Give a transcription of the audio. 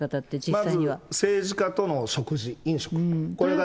まず政治家との食事、これが